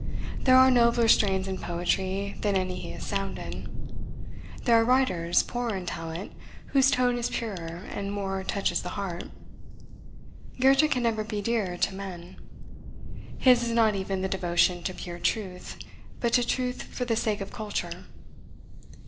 There are nobler strains in poetry than any he has sounded. There are writers poorer in talent, whose tone is purer, and more touches the heart. Goethe can never be dear to men. His is not even the devotion to pure truth; but to truth for the sake of culture.